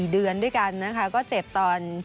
เดือนด้วยกันนะคะก็เจ็บตอน